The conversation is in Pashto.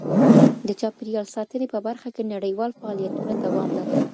د چاپیریال ساتنې په برخه کي نړیوال فعالیتونه دوام لري.